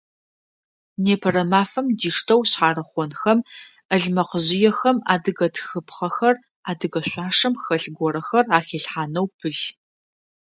Непэрэ мафэм диштэу шъхьарыхъонхэм, ӏэлъмэкъыжъыехэм адыгэ тхыпхъэхэр, адыгэ шъуашэм хэлъ горэхэр ахилъхьанэу пылъ.